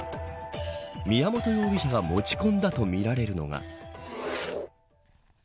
宮本容疑者が持ち込んだとみられるのが。